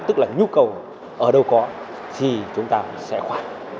tức là nhu cầu ở đâu có thì chúng ta sẽ khỏe